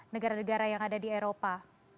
negara negara yang ada di eropa